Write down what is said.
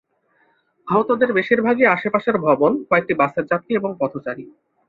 আহতদের বেশিরভাগই আশেপাশের ভবন, কয়েকটি বাসের যাত্রী এবং পথচারী।